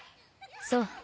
そう。